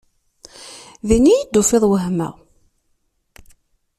Din iyi-d-tufiḍ wehmeɣ.